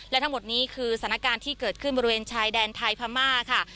และทั้งหมดนี้คือสถานการณ์ที่เกิดขึ้นบริเวณชายแดนไทยพม่าค่ะ